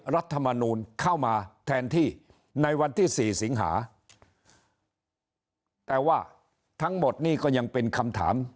รัฐมนูลเข้ามาแทนที่ในวันที่สี่สิงหาแต่ว่าทั้งหมดนี่ก็ยังเป็นคำถาม